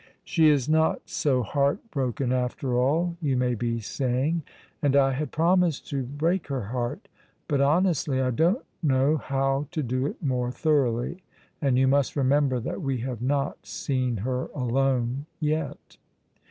She is not so heartbroken, after all, you may be saying, and I had promised to break her heart. But, honestly, I don't know how to do it more thoroughly, and you must remember that we have not seen her alone yet.